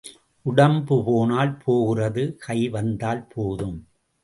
உடம்பு போனால் போகிறது கை வந்தால் போதும்.